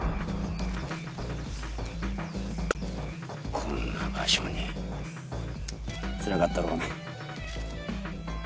こんな場所につらかったろうな。